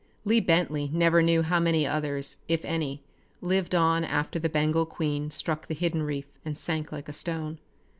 ] Lee Bentley never knew how many others, if any, lived on after the Bengal Queen struck the hidden reef and sank like a stone.